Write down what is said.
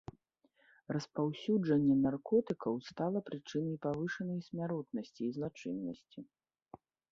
Распаўсюджанне наркотыкаў стала прычынай павышанай смяротнасці і злачыннасці.